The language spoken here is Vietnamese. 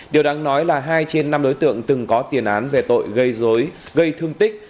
điều đáng nói là hai trên năm đối tượng từng có tiền án về tội gây dối gây thương tích